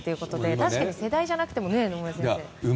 確かに世代じゃなくてもね野村先生。